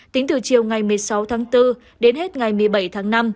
tính từ chiều ngày một mươi sáu tháng bốn đến hết ngày một mươi bảy tháng năm